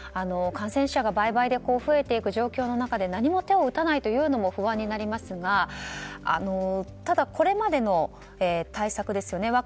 感染者が倍々で増えていく状況の中で何も手を打たないというのも不安になりますがただ、これまでの対策ですね。